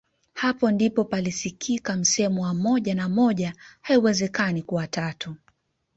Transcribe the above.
Hapo ndipo palisikika msemo wa moja na moja haiwezekani kuwa tatu